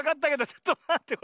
ちょっとまってよ。